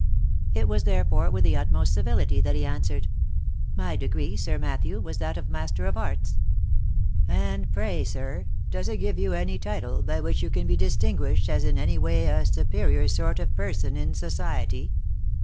It was, therefore, with the utmost civility that he answered, " My degree, Sir Matthew, was that of Master of Arts." " And pray, sir, does it give you any title by which you can be distinguished as in any way a superior sort of person in society